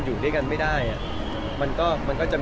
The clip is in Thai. พี่พอร์ตทานสาวใหม่พี่พอร์ตทานสาวใหม่